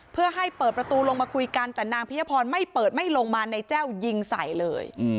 เพื่อให้เปิดประตูลงมาคุยกันแต่นางพิยพรไม่เปิดไม่ลงมานายแจ้วยิงใส่เลย